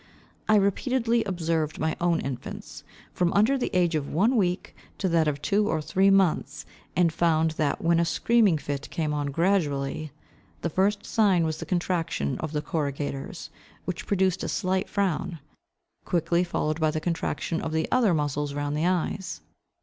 I repeatedly observed my own infants, from under the age of one week to that of two or three months, and found that when a screaming fit came on gradually, the first sign was the contraction of the corrugators, which produced a slight frown, quickly followed by the contraction of the other muscles round the eyes.